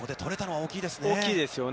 大きいですよね。